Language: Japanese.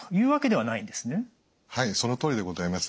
はいそのとおりでございます。